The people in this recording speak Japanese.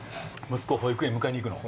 息子保育園に迎えに行くの？